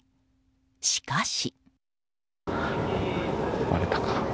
しかし。